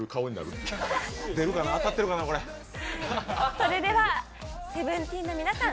それではＳＥＶＥＮＴＥＥＮの皆さん